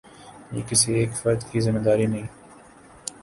یہ کسی ایک فرد کی ذمہ داری نہیں۔